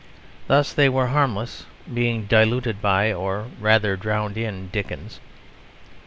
Thus they were harmless, being diluted by, or rather drowned in Dickens.